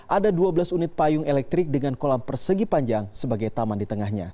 ada dua belas unit payung elektrik dengan kolam persegi panjang sebagai taman di tengahnya